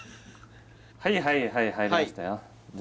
はいはいはい入りましたよじゃ